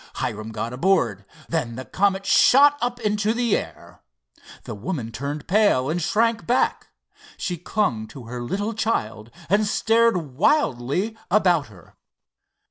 Hiram got aboard. Then the Comet shot up into the air. The woman turned pale and shrank back. She clung to her little child and stared wildly about her.